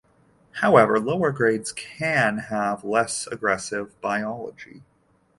However, lower grades can have less aggressive biology.